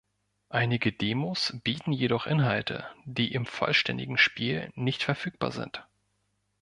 Einige Demos bieten jedoch Inhalte, die im vollständigen Spiel nicht verfügbar sind.